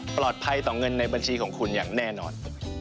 ปลอดภัยต่อเงินในบัญชีของคุณอย่างแน่นอน